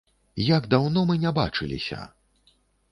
Як даўно мы не бачыліся!